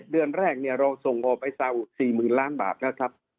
เดือนแรกเราส่งออกไปซาอุ๔๐๐๐ล้านบาทแล้วครับ